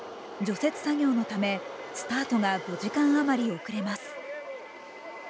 除雪作業のためスタートが５時間余り遅れます。